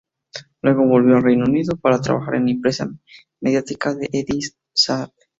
Luego, volvió al Reino Unido para trabajar en la impresa mediática de Eddie Shah.